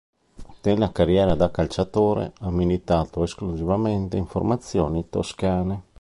Nella carriera da calciatore ha militato esclusivamente in formazioni toscane.